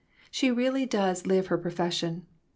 She really does live her profes sion.